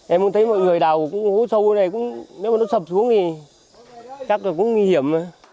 em cũng thấy mọi người đào hố sâu này nếu mà nó sập xuống thì chắc là cũng nguy hiểm